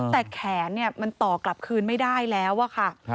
แต่แขนมันต่อกลับคืนไม่ได้แล้วอะค่ะ